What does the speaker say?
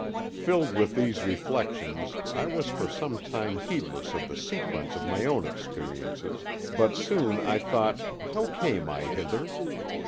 Filled with these reflections, I was for some time heedless of the sequence of my own experiences, but soon I thought, "How came I hither?"